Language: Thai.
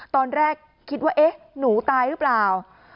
ตอนแรกคิดว่าเอ๊ะหนูตายหรือเปล่า